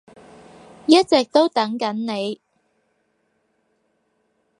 一直都等緊你